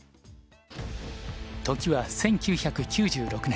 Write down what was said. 時は１９９６年